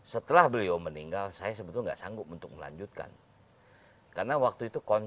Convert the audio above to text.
setelah beliau meninggal saya sebetulnya nggak sanggup untuk melanjutkan